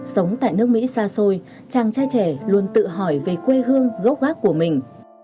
sống tại nước mỹ xa xôi chàng trai trẻ luôn tự hỏi về quê hương gốc gác của mình